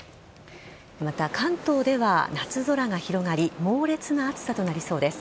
また、関東では夏空が広がり猛烈な暑さとなりそうです。